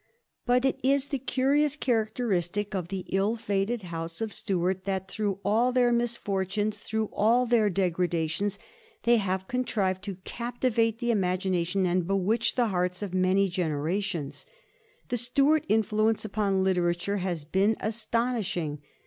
But it is the curious characteristic of the ill fated House of Stuart that, through all their misfortunes, through all their degradations, they have contrived to captivate the imagination and bewitch the hearts of many generations. The Stuart influence upon literature has been astonishing.